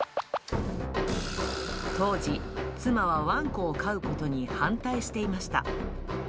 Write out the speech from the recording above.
当時、妻はワンコを飼うことに反対していました。